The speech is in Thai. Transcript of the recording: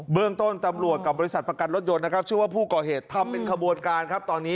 เบลิ่งต้นตำรวจบริษัทประกันรถยนต์ชื่อว่า